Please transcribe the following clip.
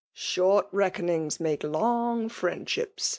/"'i ^ Short reckonings make long friendships^!'